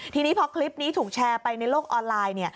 ทีนี้พอคลิปนี้ถูกแชร์ไปในโลกออนไลน์